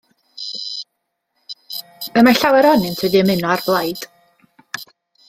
Y mae llawer ohonynt wedi ymuno â'r blaid.